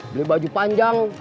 beli baju panjang